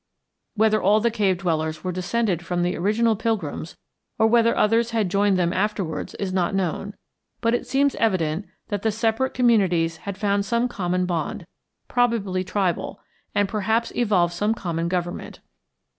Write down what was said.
Whether all the cave dwellers were descended from the original pilgrims or whether others had joined them afterward is not known, but it seems evident that the separate communities had found some common bond, probably tribal, and perhaps evolved some common government.